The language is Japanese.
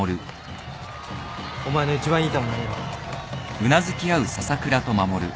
お前の一番いい球投げろ